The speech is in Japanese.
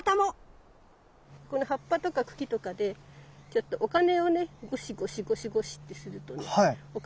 この葉っぱとか茎とかでお金をねゴシゴシゴシゴシってするとねお金